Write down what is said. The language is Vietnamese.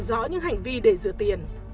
rõ những hành vi để rửa tiền